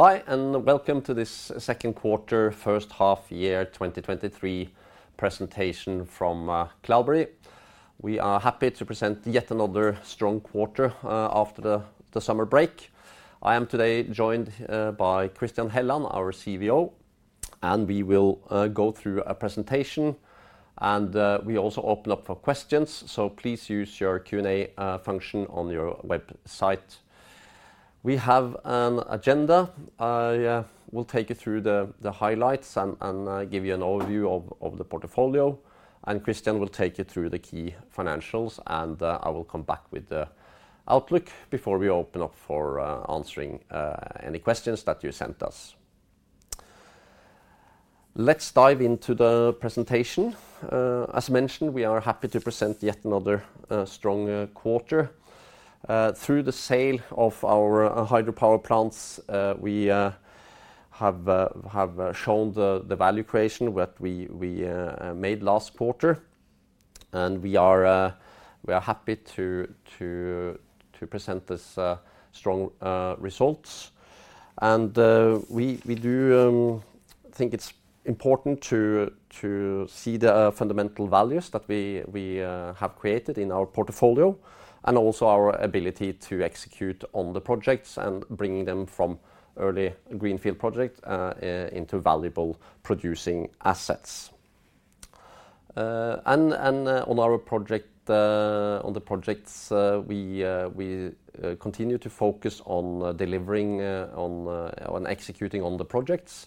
Hi, and welcome to this 2nd quarter, 1st half year, 2023 presentation from Cloudberry. We are happy to present yet another strong quarter after the summer break. I am today joined by Christian Helland, our CFO, and we will go through a presentation. We also open up for questions, so please use your Q&A function on your website. We have an agenda. I will take you through the highlights and give you an overview of the portfolio. Christian will take you through the key financials. I will come back with the outlook before we open up for answering any questions that you sent us. Let's dive into the presentation. As mentioned, we are happy to present yet another strong quarter. Sale of our hydropower plants, we have shown the value creation that we made last quarter, and we are happy to present this strong results. And we do think it's important to see the fundamental values that we have created in our portfolio, and also our ability to execute on the projects and bringing them from early greenfield project into valuable producing assets. And on our project, on the projects, we continue to focus on delivering on executing on the projects.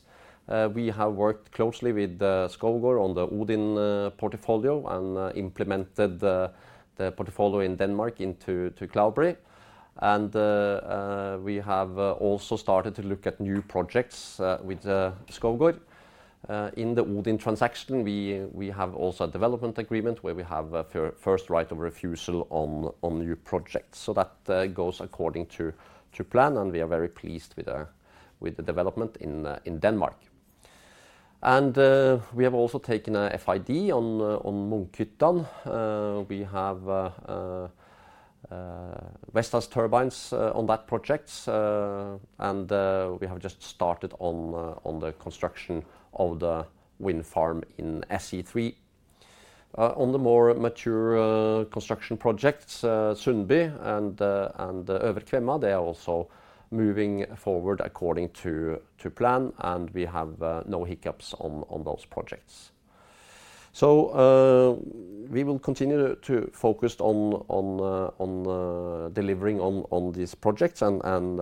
We have worked closely with Skovgaard on the Odin portfolio, and implemented the portfolio in Denmark into Cloudberry We have also started to look at new projects with Skovgaard. In the Odin transaction, we have also a development agreement where we have a first right of refusal on new projects, so that goes according to plan, and we are very pleased with the development in Denmark. We have also taken a FID on Munkhyttan. We have Vestas turbines on that project, and we have just started on the construction of the wind farm in SE3. On the more mature construction projects, Sundby and Øvre Kvemma, they are also moving forward according to plan, and we have no hiccups on those projects. We will continue to focus on, delivering on, on these projects and, and,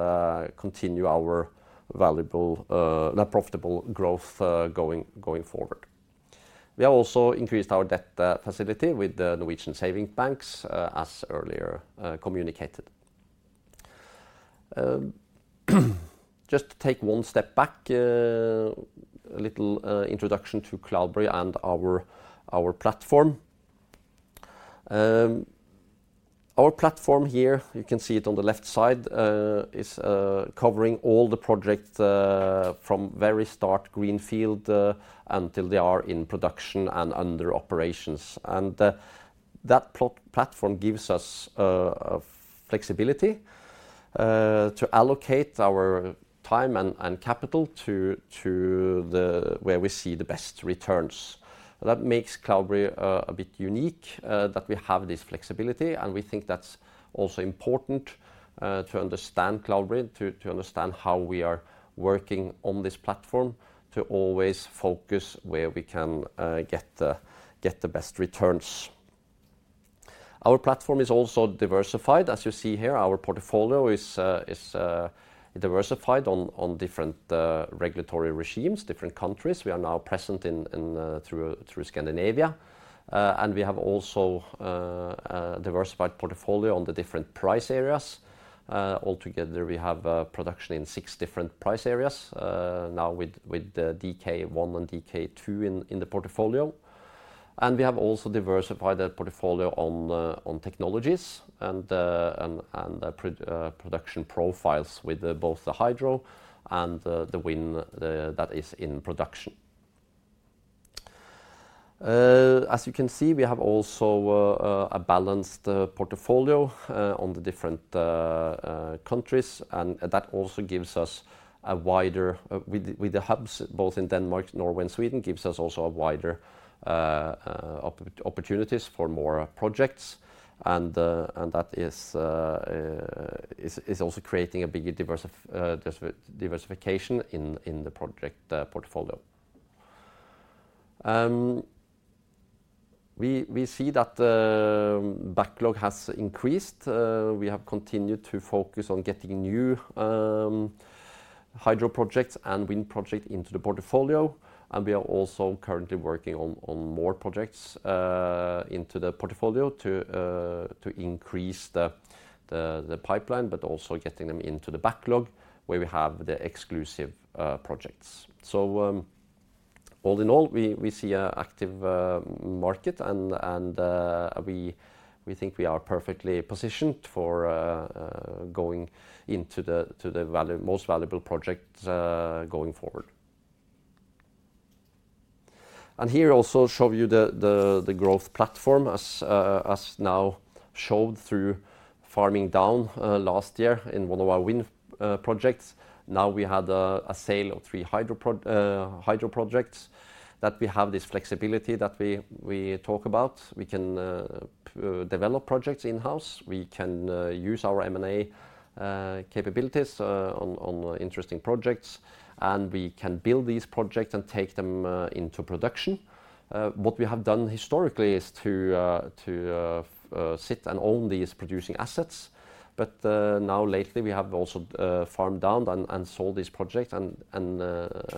continue our valuable, the profitable growth, going, going forward. We have also increased our debt facility with the Norwegian savings banks as earlier communicated. Just to take one step back, a little introduction to Cloudberry and our platform. Our platform here, you can see it on the left side, is covering all the project from very start, greenfield, until they are in production and under operations. That plot- platform gives us flexibility to allocate our time and, and capital to, to the... where we see the best returns. That makes Cloudberry a bit unique that we have this flexibility, and we think that's also important to understand Cloudberry, to understand how we are working on this platform, to always focus where we can get the best returns. Our platform is also diversified. As you see here, our portfolio is diversified on different regulatory regimes, different countries. We are now present in through Scandinavia. We have also a diversified portfolio on the different price areas. Altogether, we have production in six different price areas now with the DK1 and DK2 in the portfolio. We have also diversified that portfolio on technologies and production profiles with both the hydro and the wind that is in production. As you can see, we have also a balanced portfolio on the different countries, and that also gives us a wider with the with the hubs, both in Denmark, Norway, and Sweden, gives us also a wider opportunities for more projects, and that is is also creating a bigger diversification in the project portfolio. We see that the backlog has increased. We have continued to focus on getting new hydro projects and wind project into the portfolio, and we are also currently working on, on more projects into the portfolio to, to increase the, the, the pipeline, but also getting them into the backlog, where we have the exclusive projects. All in all, we, we see a active market, and, and, we, we think we are perfectly positioned for going into the, to the value- most valuable projects going forward. Here also show you the, the, the growth platform as as now showed through farming down last year in one of our wind projects. We had a, a sale of 3 hydro projects, that we have this flexibility that we, we talk about. We can develop projects in-house, we can use our M&A capabilities on interesting projects, and we can build these projects and take them into production. What we have done historically is to sit and own these producing assets, but now lately we have also farmed down and sold this project, and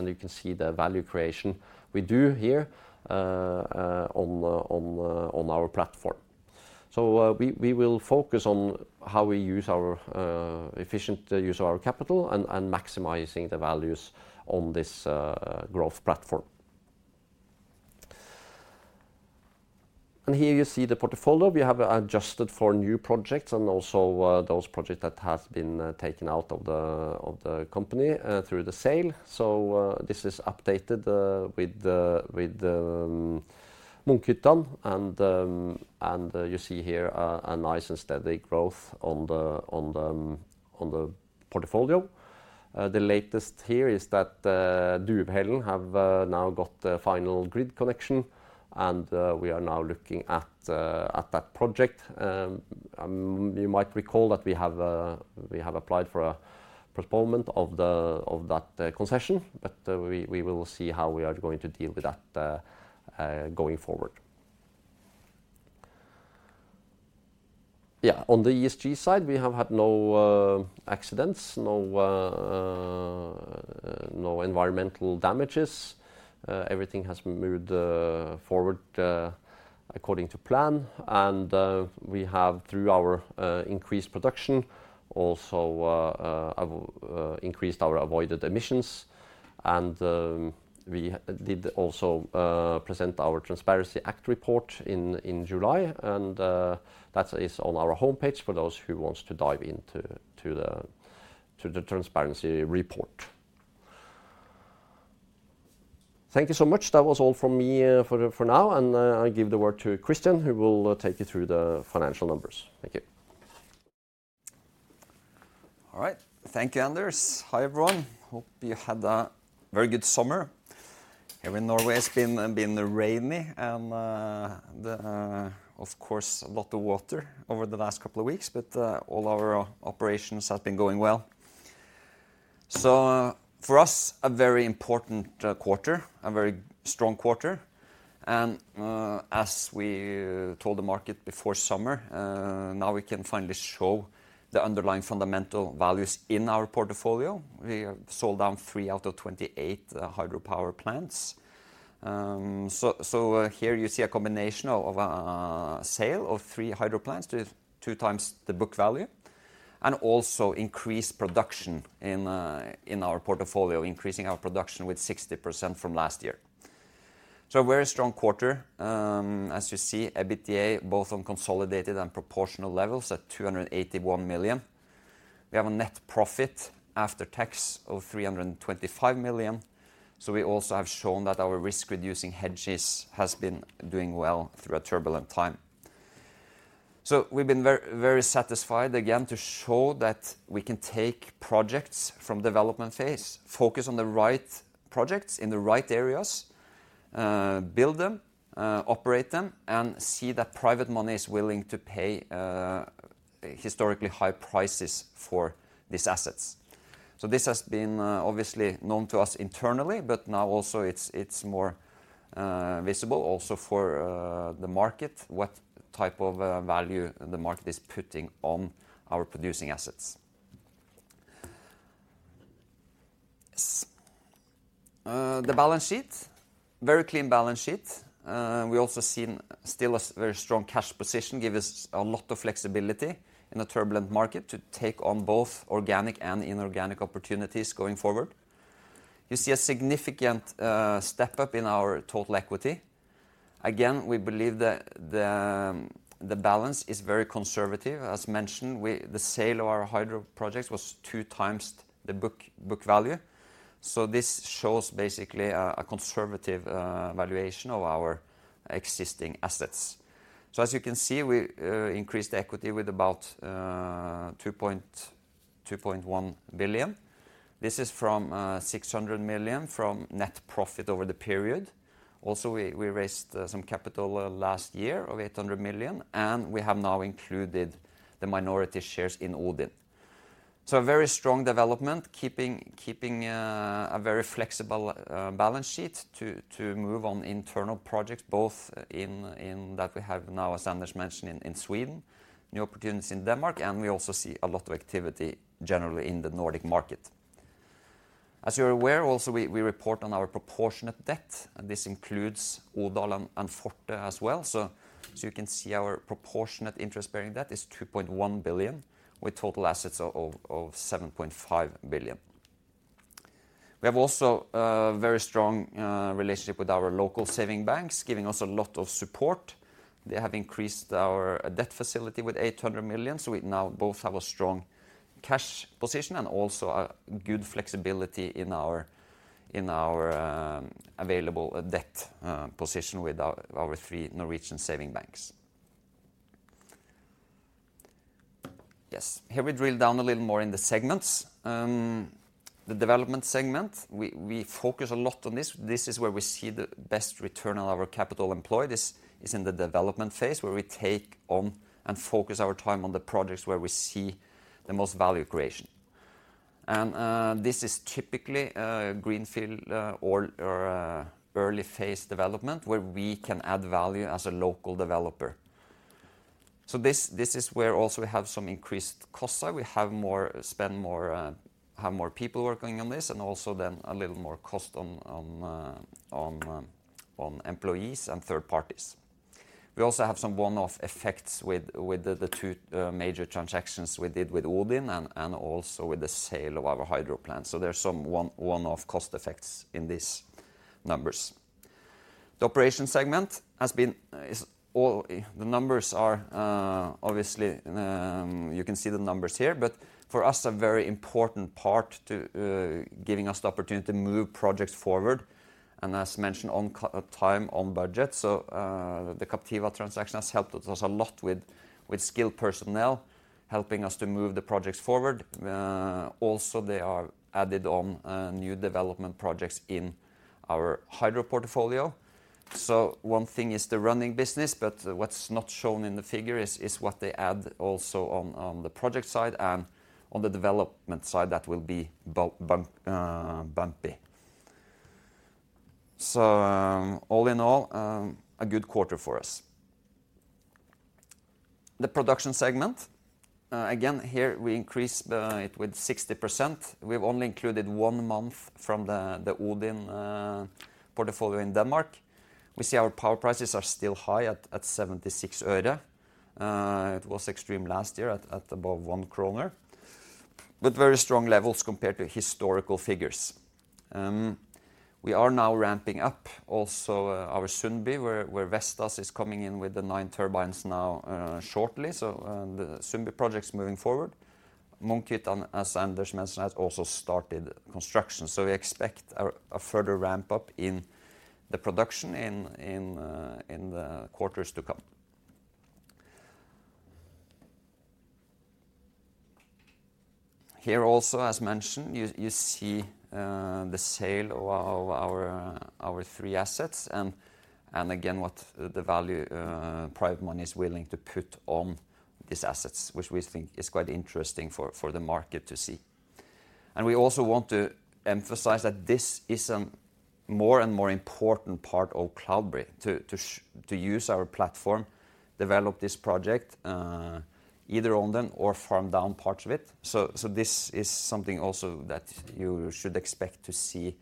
you can see the value creation we do here on our platform. We will focus on how we use our efficient use of our capital and maximizing the values on this growth platform. Here you see the portfolio. We have adjusted for new projects and also those projects that has been taken out of the company through the sale. This is updated with the Munkhyttan, and you see here a nice and steady growth on the portfolio. The latest here is that Duvhällen have now got the final grid connection, and we are now looking at that project. You might recall that we have applied for a postponement of that concession, we will see how we are going to deal with that going forward. Yeah, on the ESG side, we have had no accidents, no environmental damages. Everything has moved forward according to plan, and we have, through our increased production, also increased our avoided emissions. We did also present our Transparency Act report in July, that is on our homepage for those who wants to dive into the transparency report. Thank you so much. That was all from me for now, I give the word to Christian, who will take you through the financial numbers. Thank you. All right. Thank you, Anders. Hi, everyone. Hope you had a very good summer. Here in Norway, it's been, been rainy and the... Of course, a lot of water over the last couple of weeks, but all our operations have been going well. For us, a very important quarter, a very strong quarter, and as we told the market before summer, now we can finally show the underlying fundamental values in our portfolio. We have sold down three out of 28 hydropower plants. So here you see a combination of, of sale of 3 hydro plants to 2 times the book value, and also increased production in our portfolio, increasing our production with 60% from last year. A very strong quarter. As you see, EBITDA, both on consolidated and proportional levels, at 281 million. We have a net profit after tax of 325 million. We also have shown that our risk-reducing hedges has been doing well through a turbulent time. We've been very, very satisfied, again, to show that we can take projects from development phase, focus on the right projects in the right areas, build them, operate them, and see that private money is willing to pay historically high prices for these assets. This has been obviously known to us internally, but now also it's more visible also for the market, what type of value the market is putting on our producing assets. Yes. The balance sheet, very clean balance sheet. We also seen still a very strong cash position, give us a lot of flexibility in a turbulent market to take on both organic and inorganic opportunities going forward. You see a significant step up in our total equity. Again, we believe the, the balance is very conservative. As mentioned, the sale of our hydro projects was 2 times the book, book value. This shows basically a conservative valuation of our existing assets. As you can see, we increased equity with about 2.1 billion. This is from 600 million from net profit over the period. Also, we, we raised some capital last year of 800 million, and we have now included the minority shares in Odin. A very strong development, keeping, keeping a very flexible balance sheet to, to move on internal projects, both in, in that we have now, as Anders mentioned, in, in Sweden, new opportunities in Denmark, and we also see a lot of activity generally in the Nordic market. As you're aware, also, we, we report on our proportionate debt, and this includes Odal and Forte as well. So you can see our proportionate interest-bearing debt is 2.1 billion, with total assets of, of, 7.5 billion. We have also a very strong relationship with our local savings banks, giving us a lot of support. They have increased our debt facility with 800 million, so we now both have a strong cash position and also a good flexibility in our, in our available debt position with our three Norwegian savings banks. Yes, here we drill down a little more in the segments. The development segment, we, we focus a lot on this. This is where we see the best return on our capital employed. This is in the development phase, where we take on and focus our time on the projects where we see the most value creation. This is typically greenfield, or early phase development, where we can add value as a local developer. This, this is where also we have some increased costs. We have more... spend more, have more people working on this, and also then a little more cost on, employees and third parties. We also have some one-off effects with, with the 2 major transactions we did with Odin and also with the sale of our hydro plant. There's some one-off cost effects in these numbers. The operation segment has been, the numbers are obviously, you can see the numbers here, but for us, a very important part to giving us the opportunity to move projects forward, and as mentioned, on time, on budget. The Captiva transaction has helped us a lot with, with skilled personnel, helping us to move the projects forward. Also, they are added on new development projects in our hydro portfolio. One thing is the running business, but what's not shown in the figure is what they add also on the project side and on the development side that will be bumpy. All in all, a good quarter for us. The production segment, again, here we increased it with 60%. We've only included one month from the Odin portfolio in Denmark. We see our power prices are still high at 76 øre. It was extreme last year at above 1 krone, but very strong levels compared to historical figures. We are now ramping up also our Sundby, where Vestas is coming in with the 9 turbines now shortly. The Sundby project's moving forward. Munkhyttan, as Anders mentioned, has also started construction. We expect a, a further ramp-up in the production in, in, in the quarters to come. Here also, as mentioned, you, you see, the sale of our, our three assets, and, and again, what the value, private money is willing to put on these assets, which we think is quite interesting for, for the market to see. We also want to emphasize that this is a more and more important part of Cloudberry to, to use our platform, develop this project, either own them or farm down parts of it. This is something also that you should expect to see,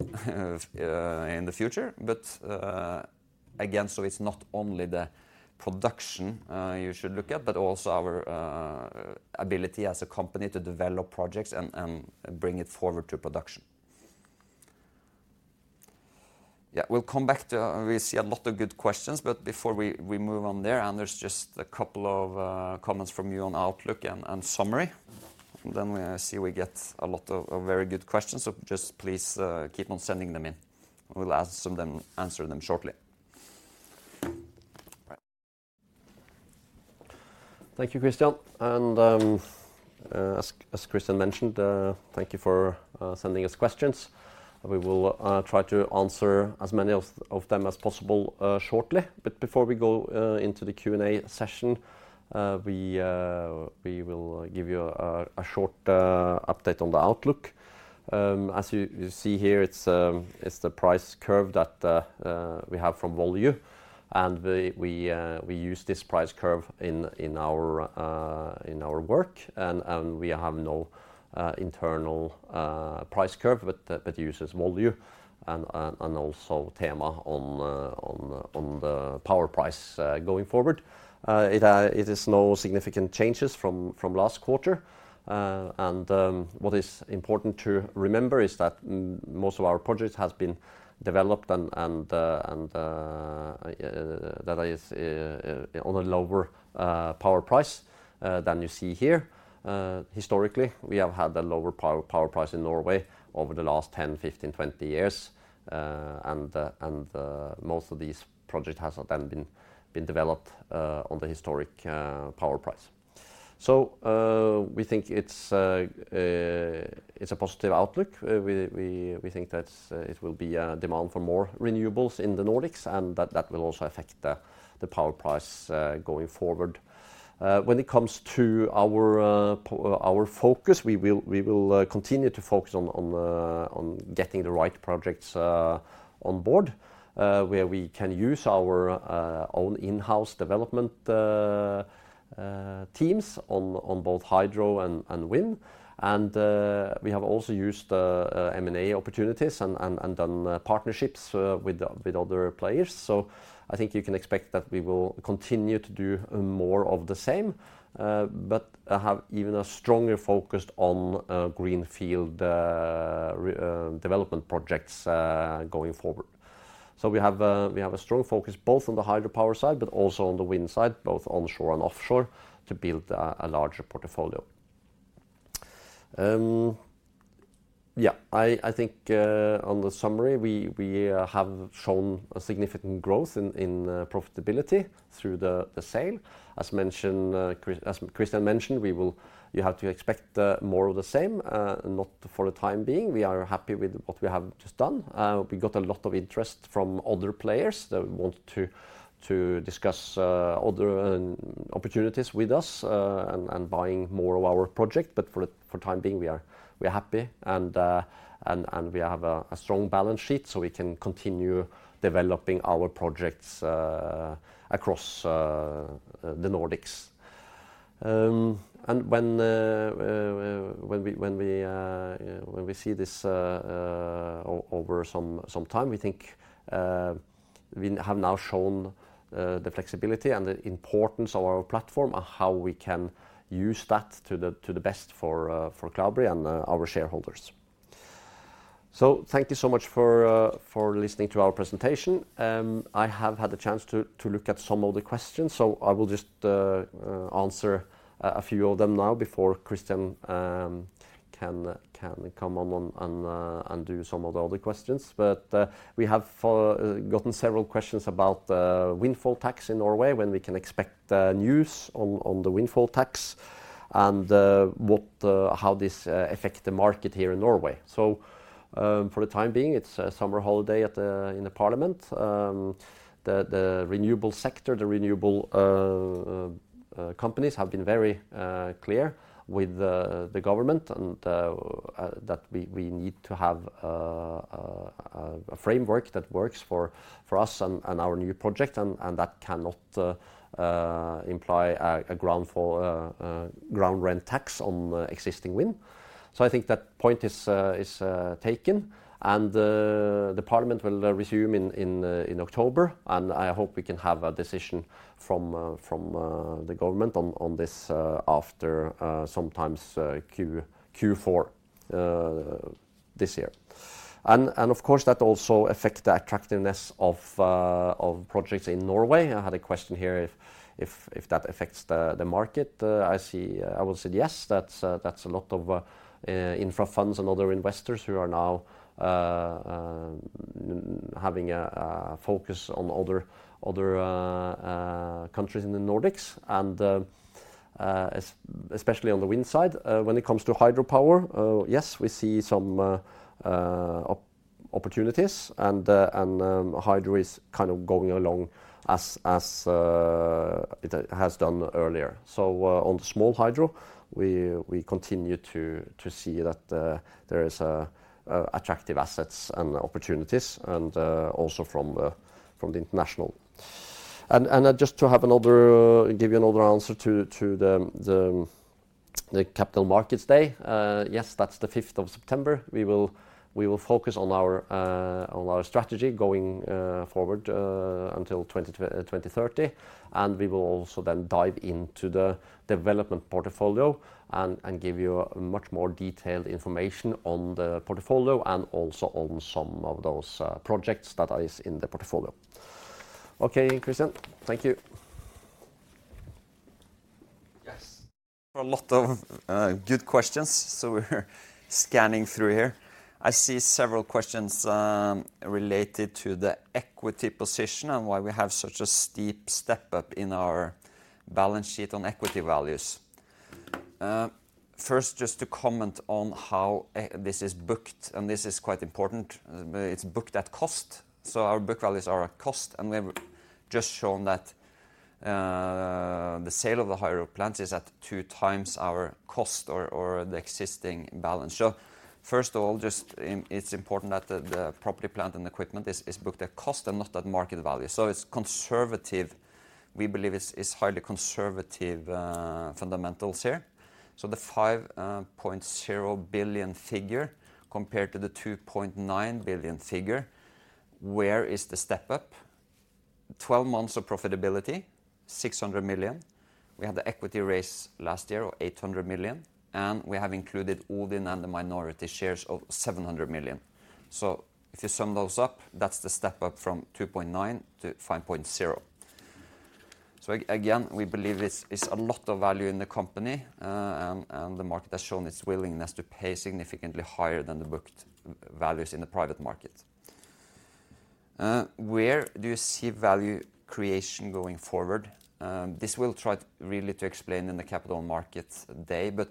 in the future. Again, so it's not only the production, you should look at, but also our, ability as a company to develop projects and, and bring it forward to production. Yeah, we'll come back to... We see a lot of good questions, but before we, we move on there, there's just a couple of comments from you on outlook and summary. Then I see we get a lot of very good questions, so just please, keep on sending them in, and we'll ask them, answer them shortly. Right. Thank you, Christian. As Christian mentioned, thank you for sending us questions. We will try to answer as many of them as possible shortly. Before we go into the Q&A session, we will give you a short update on the outlook. As you see here, it's the price curve that we have from Volue, and we use this price curve in our work, and we have no internal price curve, but that uses Volue and also THEMA on the power price going forward. It is no significant changes from last quarter. to remember is that most of our projects have been developed on a lower power price than you see here. Historically, we have had a lower power price in Norway over the last 10, 15, 20 years, and most of these projects have then been developed on the historic power price. So, we think it's a positive outlook. We think that there will be a demand for more renewables in the Nordics, and that will also affect the power price going forward When it comes to our focus, we will continue to focus on getting the right projects on board, where we can use our own in-house development teams on both hydro and wind. We have also used M&A opportunities and done partnerships with other players. I think you can expect that we will continue to do more of the same, but have even a stronger focus on greenfield development projects going forward. We have a strong focus both on the hydropower side, but also on the wind side, both onshore and offshore, to build a larger portfolio.... Yeah, I, I think, on the summary, we, we, have shown a significant growth in, in, profitability through the, the sale. As mentioned, as Christian mentioned, you have to expect, more of the same, not for the time being. We are happy with what we have just done. We got a lot of interest from other players that want to, to discuss, other, opportunities with us, and, and buying more of our project. For the time being, we are, we are happy, and, and, we have a, a strong balance sheet, so we can continue developing our projects, across, the Nordics. When, when we, when we, when we see this over some, some time, we think, we have now shown the flexibility and the importance of our platform and how we can use that to the, to the best for Cloudberry and our shareholders. Thank you so much for listening to our presentation. I have had the chance to, to look at some of the questions, so I will just answer a few of them now before Christian can come on and do some of the other questions. We have gotten several questions about the windfall tax in Norway, when we can expect news on, on the windfall tax, and what... how this affect the market here in Norway. For the time being, it's summer holiday in the Parliament. The, the renewable sector, the renewable companies have been very clear with the, the government and that we, we need to have a, a, a framework that works for, for us and, and our new project, and, and that cannot imply a, a ground for a ground rent tax on existing wind. I think that point is, is taken, and the Parliament will resume in, in October, and I hope we can have a decision from, from the government on, on this after sometimes Q4 this year. Of course, that also affect the attractiveness of, of projects in Norway. I had a question here, if, if, if that affects the, the market. I see... I will say yes, that's that's a lot of infra funds and other investors who are now having a focus on other, other countries in the Nordics, and especially on the wind side. When it comes to hydropower, yes, we see some opportunities, and and hydro is kind of going along as it has done earlier. So, on small hydro, we, we continue to, to see that there is attractive assets and opportunities, and also from from the international. And, and just to have another... give you another answer to, to the, the, the Capital Markets Day, yes, that's the 5th of September. We will, we will focus on our on our strategy going forward until 2030, and we will also then dive into the development portfolio and give you much more detailed information on the portfolio and also on some of those projects that is in the portfolio. Okay, Christian, thank you. Yes. A lot of good questions, we're scanning through here. I see several questions related to the equity position and why we have such a steep step-up in our balance sheet on equity values. First, just to comment on how this is booked, and this is quite important. It's booked at cost, so our book values are at cost, and we've just shown that the sale of the hydro plants is at two times our cost or the existing balance. First of all, just, it's important that the property plant and equipment is booked at cost and not at market value. It's conservative. We believe it's highly conservative fundamentals here. The 5.0 billion figure compared to the 2.9 billion figure, where is the step up? 12 months of profitability, 600 million. We had the equity raise last year of 800 million, and we have included Odin and the minority shares of 700 million. If you sum those up, that's the step up from 2.9 to 5.0. Again, we believe it's, it's a lot of value in the company, and the market has shown its willingness to pay significantly higher than the booked values in the private market. Where do you see value creation going forward? This we'll try really to explain in the Capital Markets Day, but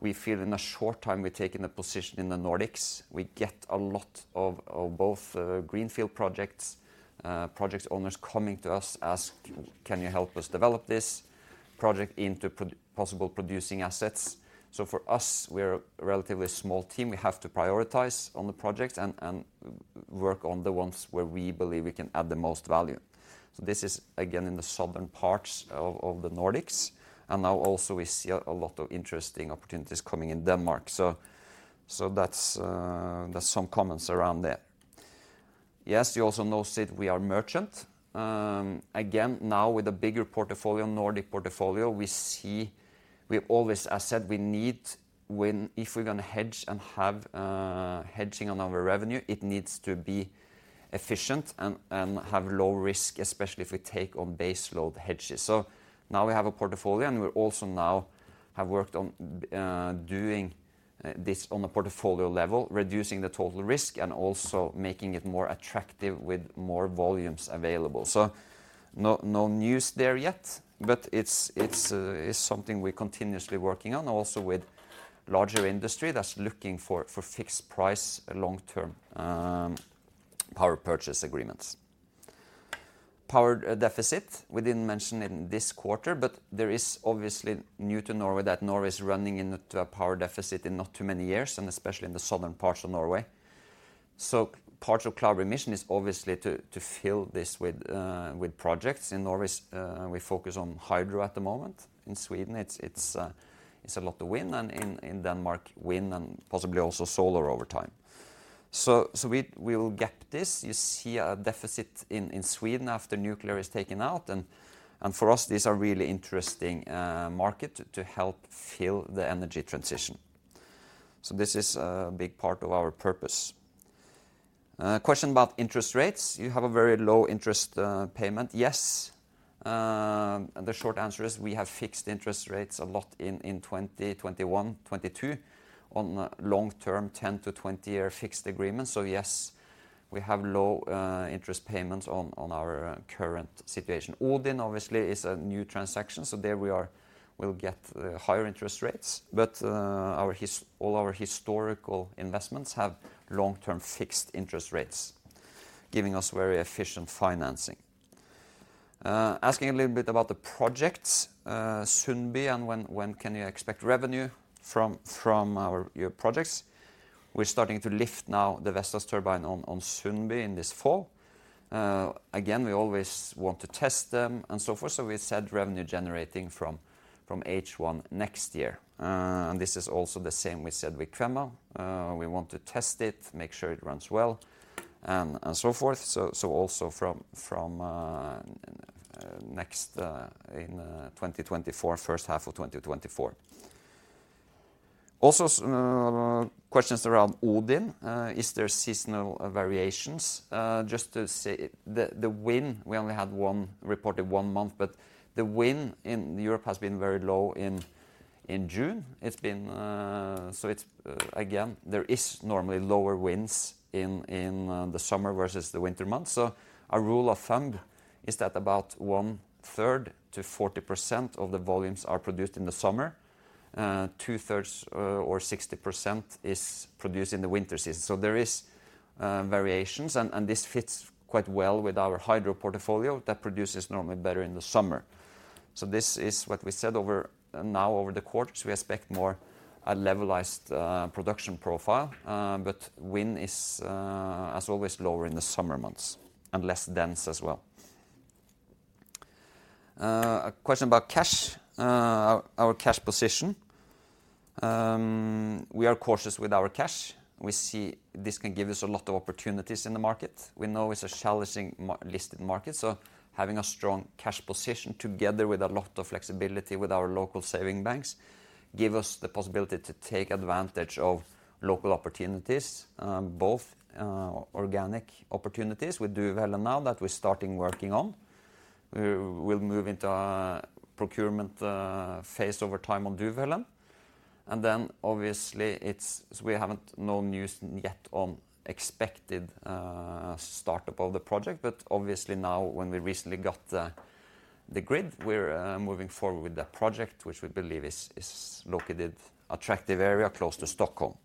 we feel in a short time we've taken a position in the Nordics. We get a lot of, of both greenfield projects, project owners coming to us asking, "Can you help us develop this project into possible producing assets?" For us, we're a relatively small team. We have to prioritize on the projects and work on the ones where we believe we can add the most value. This is, again, in the southern parts of the Nordics, and now also we see a lot of interesting opportunities coming in Denmark. That's some comments around that. Yes, you also noticed we are merchant. Again, now with a bigger portfolio, Nordic portfolio, We always asset we need when if we're going to hedge and have hedging on our revenue, it needs to be efficient and have low risk, especially if we take on baseload hedges. Now we have a portfolio, and we're also now have worked on, doing this on a portfolio level, reducing the total risk, and also making it more attractive with more volumes available. No, no news there yet, but it's, it's, it's something we're continuously working on, also with larger industry that's looking for, for fixed price, long-term, power purchase agreements. Power deficit, we didn't mention it in this quarter, but there is obviously new to Norway, that Norway is running into a power deficit in not too many years, and especially in the southern parts of Norway. Part of Cloudberry's mission is obviously to, to fill this with, with projects. In Norway, we focus on hydro at the moment. In Sweden it's, it's, it's a lot of wind, in Denmark, wind and possibly also solar over time. We, we will get this. You see a deficit in, in Sweden after nuclear is taken out, for us, these are really interesting market to help fill the energy transition. This is a big part of our purpose. Question about interest rates: "You have a very low interest payment?" Yes, the short answer is, we have fixed interest rates a lot in 2021, 2022, on long-term, 10- to 20-year fixed agreements. Yes, we have low interest payments on our current situation. Odin, obviously, is a new transaction, there we are... we'll get higher interest rates. All our historical investments have long-term fixed interest rates, giving us very efficient financing. Asking a little bit about the projects, Sundby, and when, when can you expect revenue from, from our, your projects? We're starting to lift now the Vestas turbine on, on Sundby in this fall. Again, we always want to test them, and so forth, so we said revenue generating from, from H1 next year. This is also the same we said with Kvemma. We want to test it, make sure it runs well, and, and so forth. Also from, from next in 2024, first half of 2024. Also, questions around Odin: "Is there seasonal variations?" Just to say, the, the wind, we only had one... reported one month, the wind in Europe has been very low in, in June. It's been. It's again, there is normally lower winds in, in the summer versus the winter months. A rule of thumb is that about one third to 40% of the volumes are produced in the summer, two thirds or 60% is produced in the winter season. There is variations, and this fits quite well with our hydro portfolio that produces normally better in the summer. This is what we said over, now over the quarters, we expect more a levelized production profile. Wind is, as always, lower in the summer months, and less dense as well. A question about cash, our cash position. We are cautious with our cash. We see this can give us a lot of opportunities in the market. We know it's a challenging market, having a strong cash position, together with a lot of flexibility with our local savings banks, give us the possibility to take advantage of local opportunities, both organic opportunities with Duvhällen now that we're starting working on. We'll move into a procurement phase over time on Duvhällen. Obviously, we haven't known news yet on expected startup of the project, but obviously now, when we recently got the grid, we're moving forward with that project, which we believe is located attractive area close to Stockholm.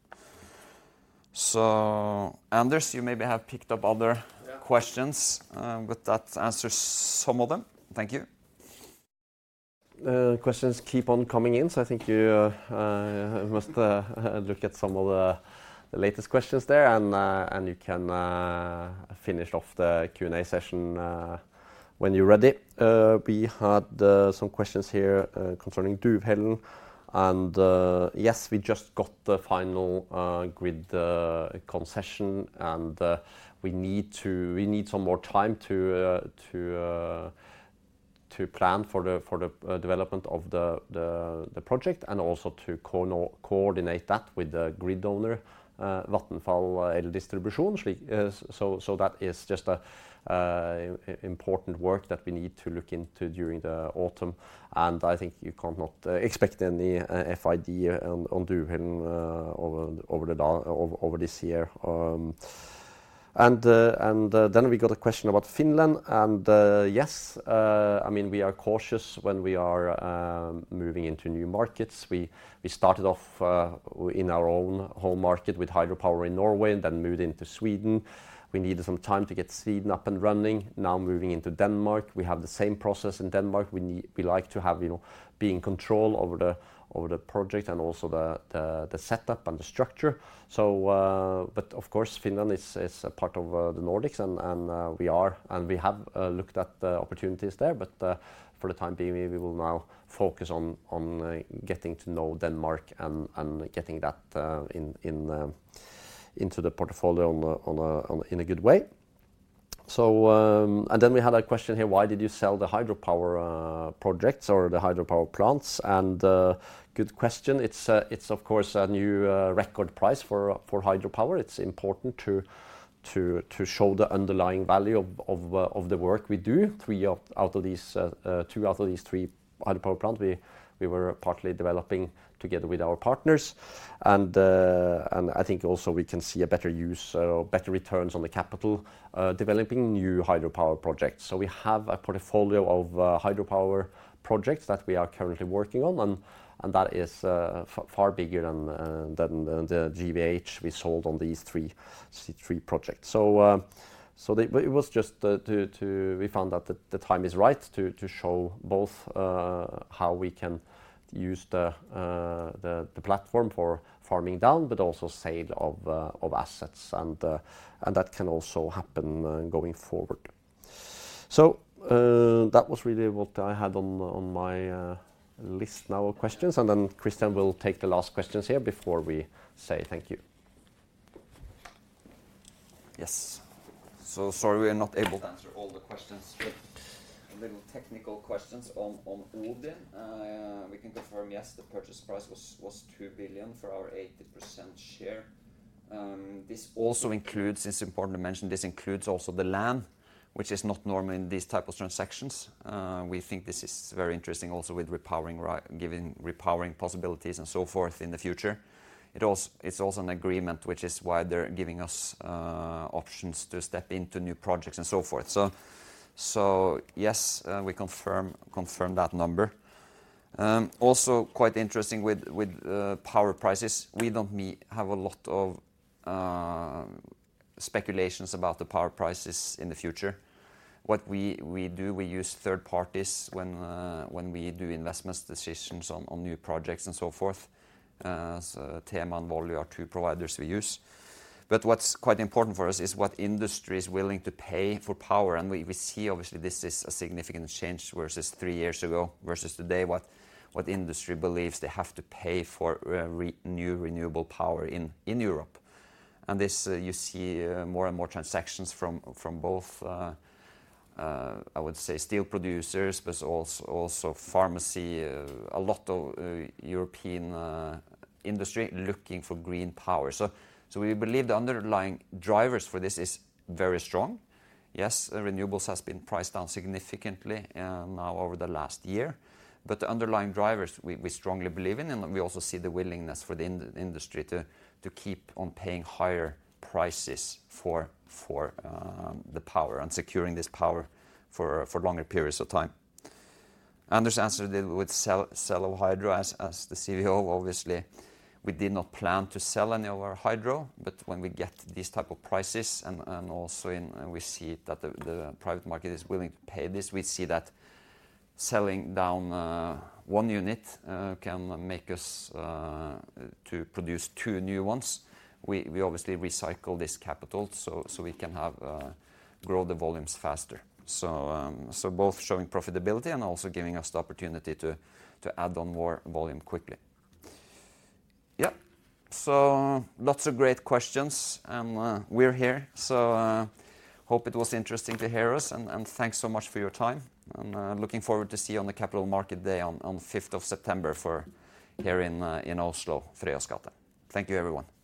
Anders, you maybe have picked up other-. Yeah. questions, but that answers some of them. Thank you. Questions keep on coming in, so I think you must look at some of the latest questions there, and you can finish off the Q&A session when you're ready. We had some questions here concerning Duvhällen, and yes, we just got the final grid concession, and we need some more time to plan for the development of the project, and also to coordinate that with the grid owner, Vattenfall Eldistribution. So that is just important work that we need to look into during the autumn, and I think you cannot expect any FID on Duvhällen over this year. We got a question about Finland, yes, I mean, we are cautious when we are moving into new markets. We, we started off in our own home market with hydropower in Norway, then moved into Sweden. We needed some time to get Sweden up and running. Moving into Denmark, we have the same process in Denmark. We like to have, you know, be in control over the, over the project, and also the, the, the setup and the structure. Of course, Finland is a part of the Nordics, we are, and we have looked at the opportunities there. For the time being, we will now focus on getting to know Denmark and getting that into the portfolio in a good way. Then we had a question here: "Why did you sell the hydropower projects or the hydropower plants?" Good question. It's, it's of course, a new record price for hydropower. It's important to show the underlying value of the work we do. two out of these three hydropower plant, we were partly developing together with our partners. I think also we can see a better use or better returns on the capital developing new hydropower projects. We have a portfolio of hydropower projects that we are currently working on, and that is far bigger than the GWh we sold on these 3 projects. We found that the time is right to show both how we can use the platform for farming down, but also sale of assets, and that can also happen going forward. That was really what I had on my list now of questions, and then Christian will take the last questions here before we say thank you. Yes. Sorry, we are not able to answer all the questions, but a little technical questions on, on Odin. We can confirm, yes, the purchase price was 2 billion for our 80% share. This also includes, it's important to mention, this includes also the land, which is not normal in these type of transactions. We think this is very interesting also with repowering giving repowering possibilities, and so forth in the future. It's also an agreement, which is why they're giving us options to step into new projects, and so forth. Yes, we confirm that number. Also quite interesting with power prices, we don't have a lot of speculations about the power prices in the future. What we do, we use third parties when, when we do investments decisions on, on new projects, and so forth. THEMA and Volue are two providers we use. What's quite important for us is what industry is willing to pay for power, and we see obviously this is a significant change versus three years ago, versus today, what, what industry believes they have to pay for new renewable power in, in Europe. This, you see, more and more transactions from, from both, I would say, steel producers, but also, also pharmacy, a lot of, European, industry looking for green power. We believe the underlying drivers for this is very strong. Renewables has been priced down significantly, now over the last year. The underlying drivers, we, we strongly believe in, and we also see the willingness for the industry to, to keep on paying higher prices for, for the power and securing this power for, for longer periods of time. Anders answered it with sell, sell of hydro. As the CFO, obviously, we did not plan to sell any of our hydro, but when we get these type of prices and, and also in... We see that the, the private market is willing to pay this, we see that selling down one unit can make us to produce two new ones. We, we obviously recycle this capital, so, so we can have grow the volumes faster. Both showing profitability and also giving us the opportunity to, to add on more volume quickly. Yeah. Lots of great questions, and we're here. Hope it was interesting to hear us, and thanks so much for your time, and looking forward to see you on the Capital Markets Day on fifth of September for here in Oslo, Frøyas gate. Thank you, everyone.